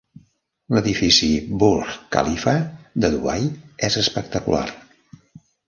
L'edifici Burj Khalifa de Dubai és espectacular.